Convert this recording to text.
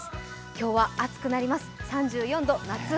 今日は暑くなります、３４度。